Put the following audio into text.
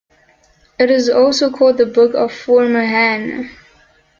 It is also called the Book of Former Han.